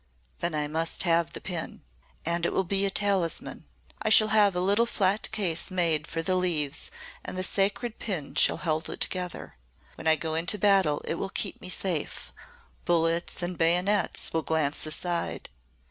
"Then I must have the pin. And it will be a talisman. I shall have a little flat case made for the leaves and the sacred pin shall hold it together. When I go into battle it will keep me safe. Bullets and bayonets will glance aside."